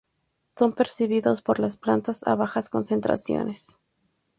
Son percibidos por las plantas a bajas concentraciones.